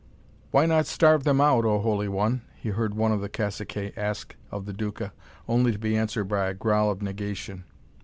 "Why not starve them out, O Holy One?" he heard one of the caciques ask of the Duca, only to be answered by a growl of negation.